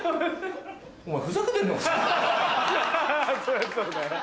そりゃそうだよな。